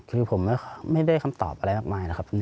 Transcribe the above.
คือผมไม่ได้คำตอบอะไรมากมายนะครับ